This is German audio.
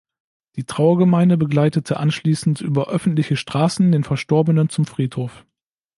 Die Trauergemeinde begleitete anschließend über öffentliche Straßen den Verstorbenen zum Friedhof.